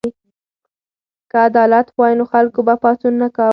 که عدالت وای نو خلکو به پاڅون نه کاوه.